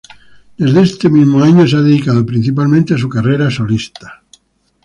Desde este mismo año se ha dedicado principalmente a su carrera solista.